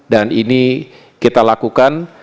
dan ini kita lakukan